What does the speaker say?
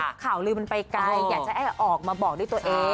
ข่าวลือมันไปไกลอยากจะแค่ออกมาบอกด้วยตัวเอง